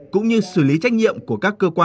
cũng như xử lý trách nhiệm của các cơ quan quản lý